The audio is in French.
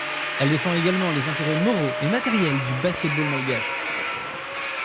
Elle défend également les intérêts moraux et matériels du basket-ball malgache.